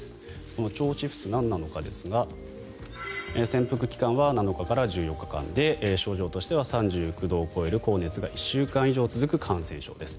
この腸チフス、なんなのかですが潜伏期間は７日から１４日間で症状としては３９度を超える高熱が１週間以上続く感染症です。